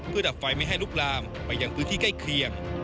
เพื่อดับไฟไม่ให้ลุกลามไปยังพื้นที่ใกล้เคียง